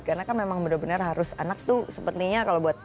karena kan memang benar benar harus anak tuh sepertinya kalau buat